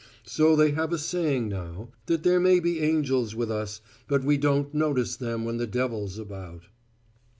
So they have a saying now, that there may be angels with us, but we don't notice them when the devil's about."